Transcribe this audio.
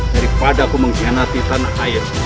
daripada aku mengkhianati tanah air